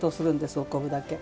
お昆布だけ。